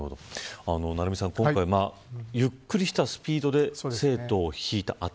成三さん、今回はゆっくりしたスピードで生徒をひいた。